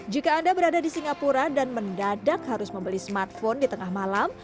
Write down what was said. jika anda berada di singapura dan mendadak harus membeli smartphone di tengah malam